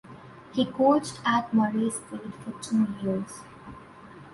He coached at Murray State for two years.